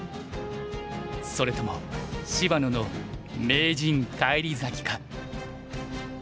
それとも芝野の名人返り咲きか。